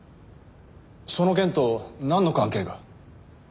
その件となんの関係が？